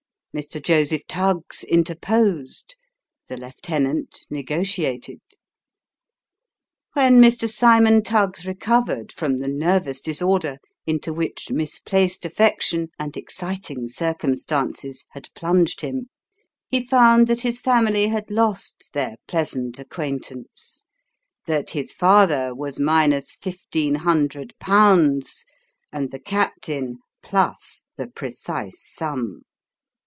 Mr. Joseph Tuggs interposed the lieutenant negotiated. When Mr. Cymon Tuggs recovered from the nervous disorder into which misplaced affection, and exciting circumstances, had plunged him, he found that his family had lost their pleasant acquaintance ; that his father was minus fifteen hundred pounds ; and the captain plus the precise sum.